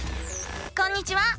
こんにちは！